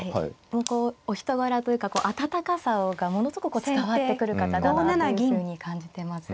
もうこうお人柄というかこう温かさがものすごくこう伝わってくる方だなというふうに感じてます。